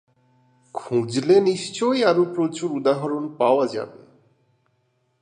খুঁজলে নিশ্চয়ই আরো প্রচুর উদাহরণ পাওয়া যাবে।